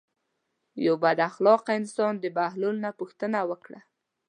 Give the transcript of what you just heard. یو بد اخلاقه انسان د بهلول نه پوښتنه وکړه.